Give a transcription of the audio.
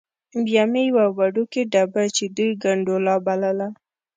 بیا مې یوه وړوکې ډبه چې دوی ګنډولا بلله.